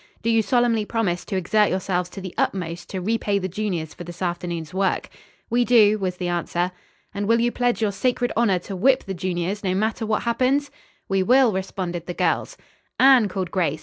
"Do you solemnly promise to exert yourselves to the utmost to repay the juniors for this afternoon's work?" "We do," was the answer. "And will you pledge your sacred honor to whip the juniors, no matter what happens!" "We will," responded the girls. "Anne!" called Grace.